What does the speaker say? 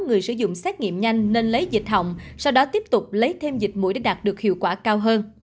người sử dụng xét nghiệm nhanh nên lấy dịch hỏng sau đó tiếp tục lấy thêm dịch mũi để đạt được hiệu quả cao hơn